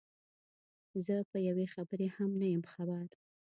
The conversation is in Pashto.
زه په یوې خبرې هم نه یم خبر.